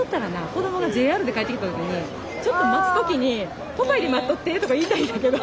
子供がＪＲで帰ってきた時にちょっと待つ時にポパイで待っとってとか言いたいんやけど。